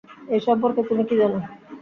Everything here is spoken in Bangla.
এই সম্পর্কে তুমি কি জান?